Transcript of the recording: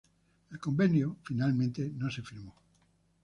El convenio finalmente no se firmó.